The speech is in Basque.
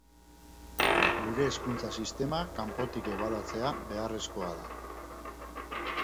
Gure hezkuntza sistema kanpotik ebaluatzea beharrezkoa zen.